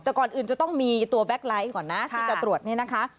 แต่ก่อนอื่นจะต้องมีตัวแก๊กไลท์ก่อนนะที่จะตรวจเนี่ยนะคะ